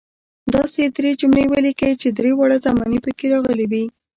داسې درې جملې ولیکئ چې درې واړه زمانې پکې راغلي وي.